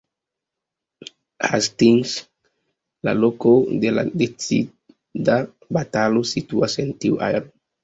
Hastings, la loko de la decida batalo situas en tiu areo.